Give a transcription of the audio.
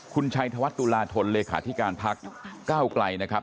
คุณชัยธวัฒนตุลาธนเลขาธิการพักก้าวไกลนะครับ